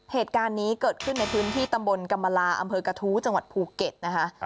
เหตุการณ์นี้เกิดขึ้นในพื้นที่ตำบลกรรมลาอำเภอกระทู้จังหวัดภูเก็ตนะคะ